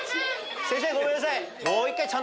先生ごめんなさい。